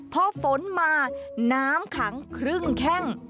พอฝนมาน้ำขังครึ่งแข้ง